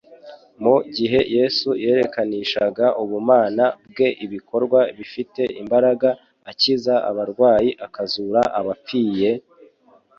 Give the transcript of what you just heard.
Mu gihe Yesu yerekanishaga ubumana bwe ibikorwa bifite imbaraga akiza abarwayi akazura abapfiye,